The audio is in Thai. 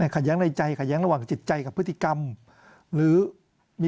ขัดแย้งในใจขัดแย้งระหว่างจิตใจกับภัตริกรรม